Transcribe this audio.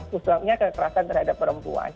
khususnya kekerasan terhadap perempuan